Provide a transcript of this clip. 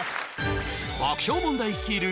爆笑問題率いる